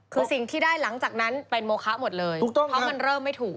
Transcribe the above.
คือสิ่งที่ได้หลังจากนั้นเป็นโมคะหมดเลยถูกต้องเพราะมันเริ่มไม่ถูก